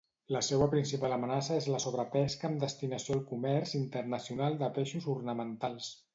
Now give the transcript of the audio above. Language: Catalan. La seua principal amenaça és la sobrepesca amb destinació al comerç internacional de peixos ornamentals.